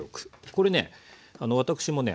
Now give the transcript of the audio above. これね私もね